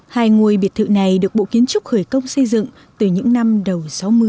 hai ngôi biệt thự này được bộ kiến trúc khởi công xây dựng từ những năm đầu sáu mươi